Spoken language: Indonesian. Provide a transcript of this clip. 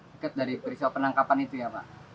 deket dari perisau penangkapan itu ya pak